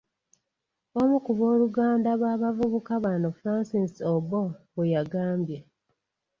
Omu ku booluganda b’abavubuka bano, Francis Obbo bwe yagambye.